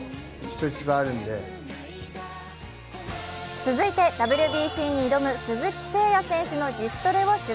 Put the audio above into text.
続いてＷＢＣに挑む鈴木誠也選手の自主トレを取材。